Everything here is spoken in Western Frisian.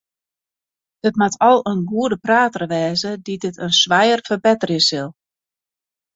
It moat al in goede prater wêze dy't it in swijer ferbetterje sil.